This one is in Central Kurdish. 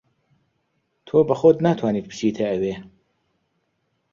تۆ بە خۆت ناتوانیت بچیتە ئەوێ.